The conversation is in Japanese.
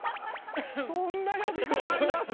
そんな呼び方あります？